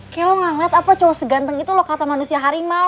keh lo ngeliat apa cowok seganteng itu lo kata manusia harimau